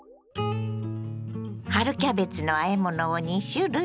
春キャベツのあえ物を２種類。